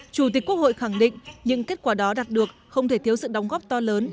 chủ tịch quốc hội khẳng định những kết quả đó đạt được không thể thiếu sự đóng góp to lớn